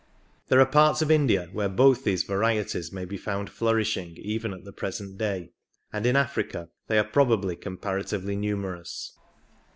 There are parts of India where both these varieties may be found flourishing even at the present day, and in Africa they are probably comparatively numerous.